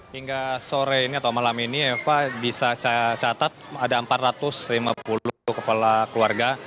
hingga sore ini atau malam ini eva bisa catat ada empat ratus lima puluh kepala keluarga